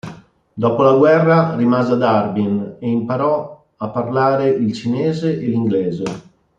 Dopo la guerra, rimase ad Harbin, ed imparò a parlare il cinese e l'inglese.